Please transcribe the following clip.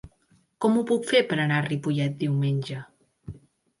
Com ho puc fer per anar a Ripollet diumenge?